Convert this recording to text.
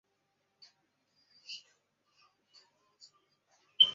耆英号接下来驶往英国。